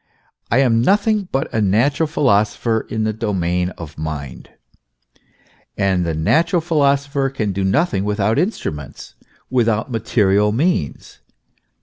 I am nothing but a natural philosopher in the PREFACE. vii domain of mind; and the natural philosopher can do nothing without instruments, without material means.